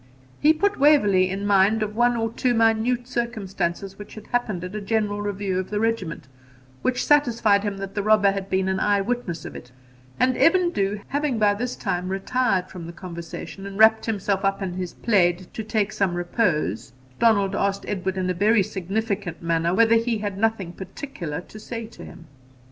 He put Waverley in mind of one or two minute circumstances which had happened at a general review of the regiment, which satisfied him that the robber had been an eye witness of it; and Evan Dhu having by this time retired from the conversation, and wrapped himself up in his plaid to take some repose, Donald asked Edward, in a very significant manner, whether he had nothing particular to say to him.